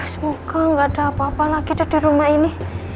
semoga gak ada apa apa lagi dari rumah ini